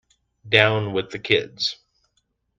Down with the kids